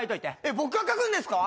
僕が書くんですか？